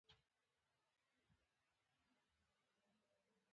د اسلامي نړۍ ټینګې او مضبوطي کلاګانې کومي دي؟